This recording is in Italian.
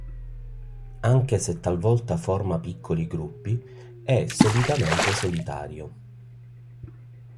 Anche se talvolta forma piccoli gruppi, è solitamente solitario.